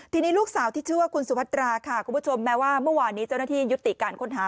ทีนี้ลูกสาวที่ชื่อว่าคุณสุพัตราค่ะคุณผู้ชมแม้ว่าเมื่อวานนี้เจ้าหน้าที่ยุติการค้นหา